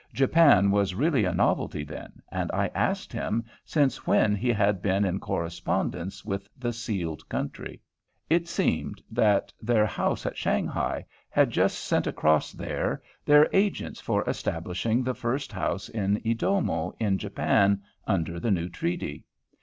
Japan was really a novelty then, and I asked him since when he had been in correspondence with the sealed country. It seemed that their house at Shanghae had just sent across there their agents for establishing the first house in Edomo, in Japan, under the new treaty.